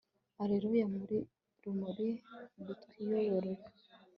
allelua, rumuri rutwiyoborera